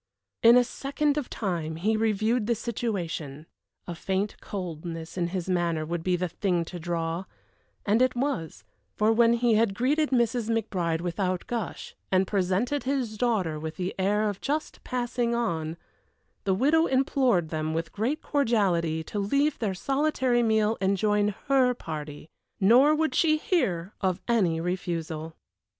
In a second of time he reviewed the situation; a faint coldness in his manner would be the thing to draw and it was; for when he had greeted Mrs. McBride without gush, and presented his daughter with the air of just passing on, the widow implored them with great cordiality to leave their solitary meal and join her party. Nor would she hear of any refusal.